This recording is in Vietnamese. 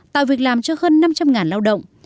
tạo việc làm cho hơn năm trăm linh lao động